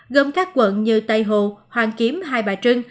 gồm các quận như tây hồ hoàn kiếm hai bà trưng